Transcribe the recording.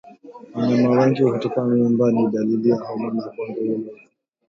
Wanyama wengi kutupa mimba ni dalili ya homa ya bonde la ufa